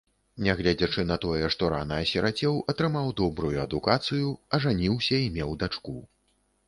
Нягледзячы на тое, што рана асірацеў, атрымаў добрую адукацыю, ажаніўся і меў дачку.